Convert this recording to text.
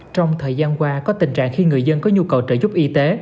trong thời gian qua có tình trạng khi người dân có nhu cầu trợ giúp y tế